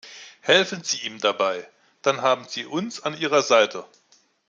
Helfen Sie ihm dabei, dann haben Sie uns an Ihrer Seite!